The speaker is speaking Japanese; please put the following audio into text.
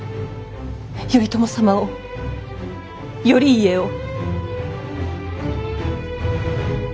頼朝様を頼家を。